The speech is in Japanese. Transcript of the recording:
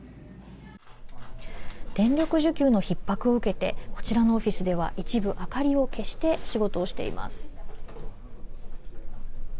電力需給のひっ迫を受けてこちらのオフィスでは一部明かりを消して仕事をしています。